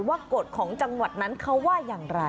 กฎของจังหวัดนั้นเขาว่าอย่างไร